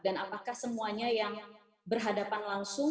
dan apakah semuanya yang berhadapan langsung